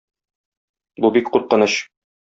Бу бик куркыныч.